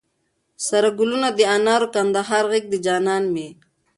سره ګلونه د انارو، کندهار غېږ د جانان مي